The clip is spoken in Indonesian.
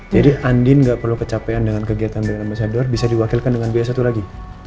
jadi andin gak perlu kecapean dengan kegiatan brand ambassador bisa diwakilkan dengan biaya satu lagi